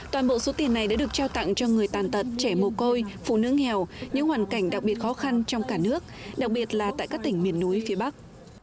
toàn bộ số tiền này đã được trao tặng cho người tàn tật trẻ mồ côi phụ nữ nghèo những hoàn cảnh đặc biệt khó khăn trong cả nước đặc biệt là tại các tỉnh miền núi phía bắc